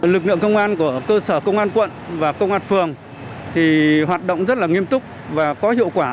lực lượng công an của cơ sở công an quận và công an phường thì hoạt động rất là nghiêm túc và có hiệu quả